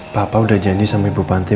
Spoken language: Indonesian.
papa udah janji sama ibu panti